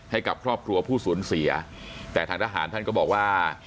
ให้กับครอบครัวผู้สูญเสียแต่ทางทหารท่านก็บอกว่า